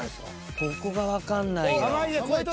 ここがわかんないよ。